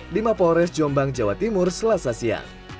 di mapores jombang jawa timur selasa siang